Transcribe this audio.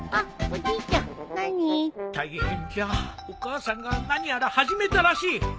お母さんが何やら始めたらしい。